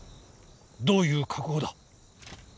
どういう覚悟だ？